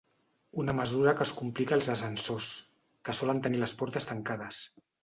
Una mesura que es complica als ascensors, que solen tenir les portes tancades.